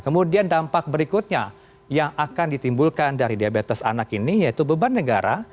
kemudian dampak berikutnya yang akan ditimbulkan dari diabetes anak ini yaitu beban negara